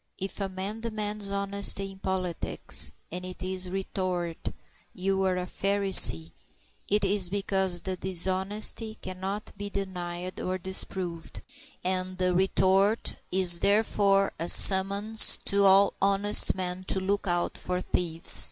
If a man demands honesty in politics, and it is retorted, "You're a Pharisee," it is because the dishonesty cannot be denied or disproved, and the retort is therefore a summons to all honest men to look out for thieves.